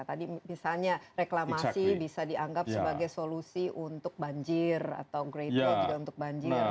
tadi misalnya reklamasi bisa dianggap sebagai solusi untuk banjir atau grade juga untuk banjir